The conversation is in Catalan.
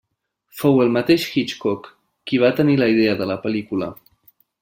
Fou el mateix Hitchcock qui va tenir la idea de la pel·lícula.